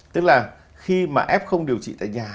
tức là khi mà f điều trị tại nhà